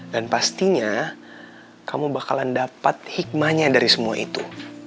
dan pastinya kamu bakalan dapat hikmahnya dari semua itu